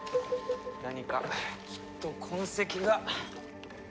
何かきっと痕跡が。